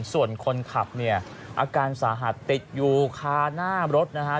ส่วนคนขับเนี่ยอาการสาหัสติดอยู่คาหน้ารถนะฮะ